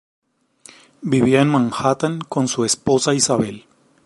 Vivía en Manhattan con su esposa, Isabel.